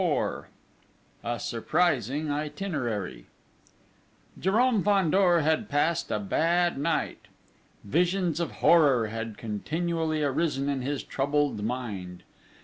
IV A SURPRISING ITINERARY Jérôme Fandor had passed a bad night! Visions of horror had continually arisen in his troubled mind.